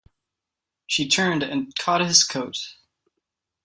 She turned and caught his coat.